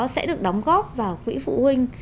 sẽ được đóng góp vào quỹ phụ huynh